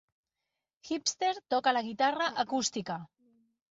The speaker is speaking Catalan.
Hipster toca la guitarra acústica.